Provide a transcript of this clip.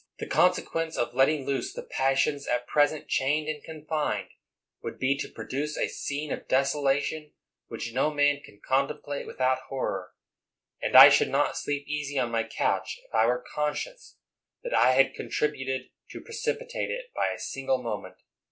124 CANNING The consequence of letting loose the passions at present chained and confined, would be to produce a scene of desolation which no man can contemplate without horror; and I should not sleep easy on my couch if I were conscious that I had contributed to precipitate it by a single moment.